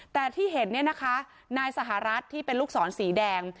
แต่ที่เห็นเนี่ยนะคะนายสหรัฐที่เป็นลูกศรสีแดง